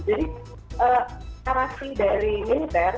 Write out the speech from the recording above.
jadi karasi dari militer